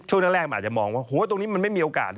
ช่วงแรกมันอาจจะมองว่าตรงนี้มันไม่มีโอกาส